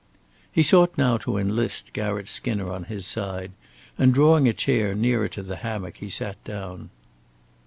He sought now to enlist Garratt Skinner on his side, and drawing a chair nearer to the hammock he sat down.